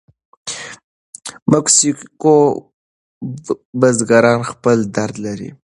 مکسیکو بزګران خپل درد لري.